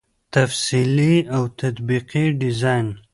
تفصیلي او تطبیقي ډيزاين